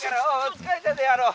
疲れたであろう。